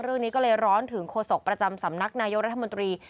เรื่องนี้ก็เลยร้อนถึงโฆษกประจำสำนักนายกรัฐมนตรี